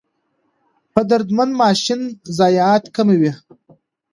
د درمند ماشین ضایعات کموي؟